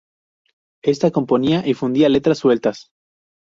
Esta componía y fundía letras sueltas.